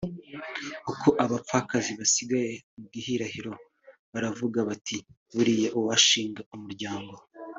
uko abapfakazi basigaye mu gihirahiro baravuga bati ‘buriya uwashinga umuryango